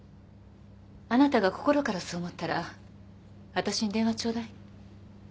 あなたが心からそう思ったら私に電話ちょうだい。